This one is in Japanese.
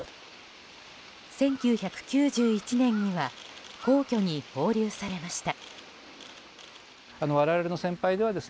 １９９１年には皇居に放流されました。